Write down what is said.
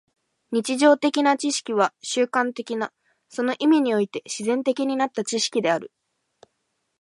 日常的な知識は習慣的な、その意味において自然的になった知識である。